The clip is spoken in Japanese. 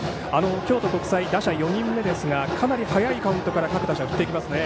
京都国際、打者４人目ですがかなり早いカウントから各打者が振っていきますね。